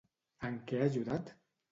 En què ha ajudat?